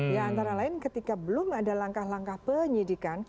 ya antara lain ketika belum ada langkah langkah penyidikan